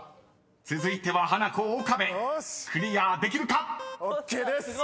［続いてはハナコ岡部クリアできるか⁉］ＯＫです。